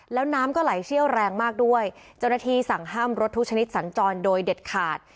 แล้วน้ำก็ไหลเชี่ยวแรงมากด้วยเจ้าหน้าที่สั่งห้ามรถทุกชนิดสัญจรโดยเด็ดขาด